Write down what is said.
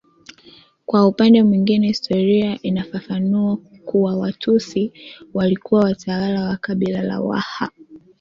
Kwa upande mwingine historia inafafanua kuwa Watusi walikuwa watawala wa kabila la Waha